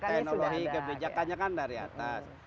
karena teknologi kebijakannya kan dari atas